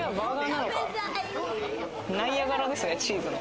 ナイアガラですね、チーズの。